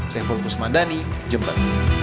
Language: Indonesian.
saya fulgus madani jember